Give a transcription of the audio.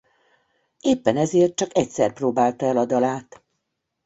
Éppen ezért csak egyszer próbálta el a dalát.